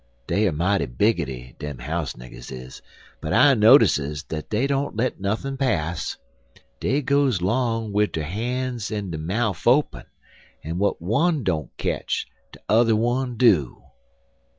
Dey er mighty biggity, dem house niggers is, but I notices dat dey don't let nuthin' pass. Dey goes 'long wid der han's en der mouf open, en w'at one don't ketch de tother one do."